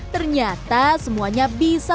ternyata semuanya bisa